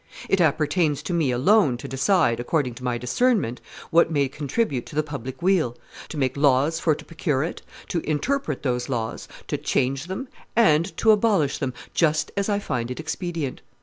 ... It appertains to me alone to decide, according to my discernment, what may contribute to the public weal, to make laws for to procure it, to interpret those laws, to change them, and to abolish them, just as I find it expedient.